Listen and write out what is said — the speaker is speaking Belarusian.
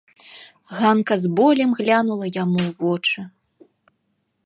Ганка з болем глянула яму ў вочы.